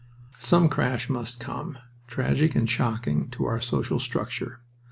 Some crash must come, tragic and shocking to our social structure.